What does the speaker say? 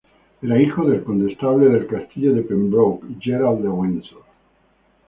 Era hijo del condestable del castillo de Pembroke, Gerald de Windsor.